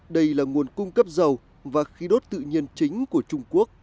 đây là nguồn cung cấp dầu và khí đốt tự nhiên chính của trung quốc